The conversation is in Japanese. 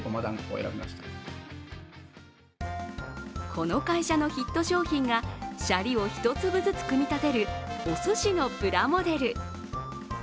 この会社のヒット商品がシャリを１粒ずつ組み立てるお寿司のプラモデル。